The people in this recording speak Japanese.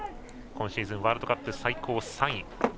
今シーズンワールドカップで最高３位。